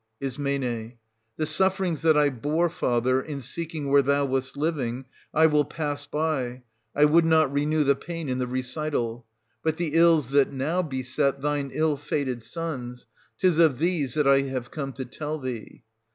Is. The sufferings that I bore, father, in seeking where thou wast living, I will pass by; I would not renew the pain in the recital. But the ills that now beset thine ill fated sons, — 'tis of these that I have come to tell thee.